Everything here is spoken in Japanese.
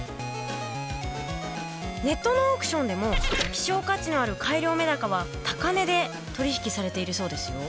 ネットのオークションでも希少価値のある改良メダカは高値で取り引きされているそうですよ。